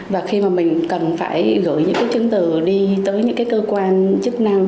và khi mà mình cần phải gửi những cái chứng từ đi tới những cái cơ quan chức năng